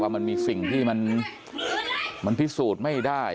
มันมีสิ่งที่มันพิสูจน์ไม่ได้